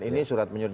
ini kan surat menyuruh